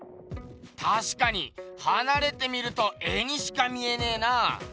たしかにはなれて見ると絵にしか見えねえな。